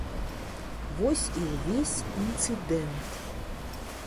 Вось і ўвесь інцыдэнт.